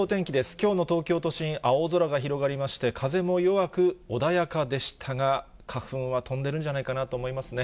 きょうの東京都心、青空が広がりまして、風も弱く、穏やかでしたが、花粉は飛んでるんじゃないかなと思いますね。